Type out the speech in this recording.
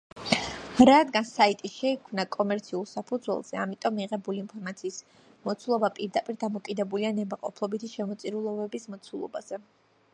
რადგანაც საიტი შეიქმნა კომერციულ საფუძველზე, ამიტომ მიღებული ინფორმაციის მოცულობა პირდაპირ დამოკიდებულია ნებაყოფლობითი შემოწირულობების მოცულობაზე.